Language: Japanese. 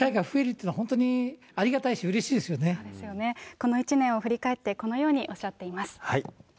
この一年を振り返って、このようにおっしゃっています。